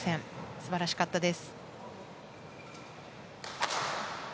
素晴らしかったです。